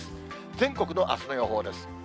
全国のあすの予報です。